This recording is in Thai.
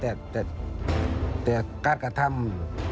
แต่การกระทำ